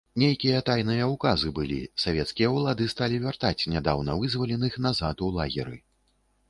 Нейкія тайныя ўказы былі, савецкія ўлады сталі вяртаць нядаўна вызваленых назад у лагеры.